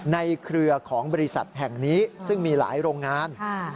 เครือของบริษัทแห่งนี้ซึ่งมีหลายโรงงาน